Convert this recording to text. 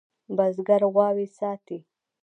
بزگر غواوې ساتي.